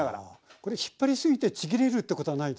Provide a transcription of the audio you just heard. これ引っ張りすぎてちぎれるってことはないですか？